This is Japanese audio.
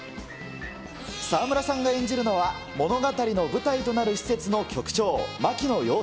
沢村さんが演じるのは、物語の舞台となる施設の局長、牧野洋輔。